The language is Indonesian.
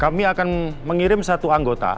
kami akan mengirim satu anggota